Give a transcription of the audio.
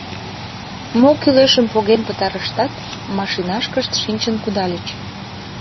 Мо кӱлешым поген пытарыштат, машинашкышт шинчын кудальыч.